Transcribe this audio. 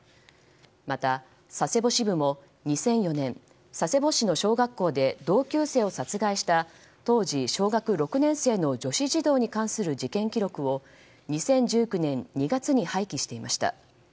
また、佐世保支部も２００４年、佐世保市の小学校で同級生を殺害した当時小学６年生の女子児童に関する事件記録を２０１９年２月に廃棄していました。